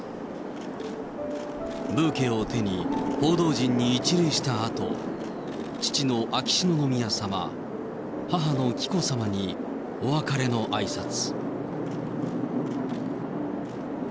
ブーケを手に、報道陣に一礼したあと、父の秋篠宮さま、母の紀子さまにお別れのあいさつ。